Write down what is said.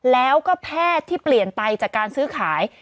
แล้วก็แพทย์ที่เปลี่ยนไปจากการซื้อขาย